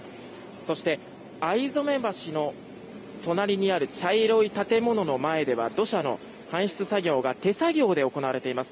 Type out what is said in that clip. そして、逢初橋の隣にある茶色い建物の前では土砂の搬出作業が手作業で行われています。